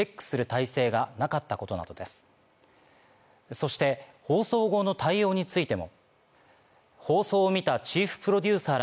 そして放送後の対応についても。